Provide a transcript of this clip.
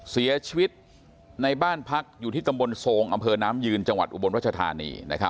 เสียชีวิตในบ้านพักอยู่ที่ตำบลโซงอำเภอน้ำยืนจังหวัดอุบลรัชธานี